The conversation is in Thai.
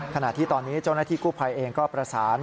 ขณะที่ตอนนี้เจ้าหน้าที่กู้ภัยเองก็ประสาน